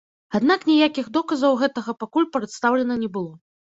Аднак ніякіх доказаў гэтага пакуль прадстаўлена не было.